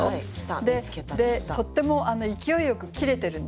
でとっても勢いよく切れてるんですよね。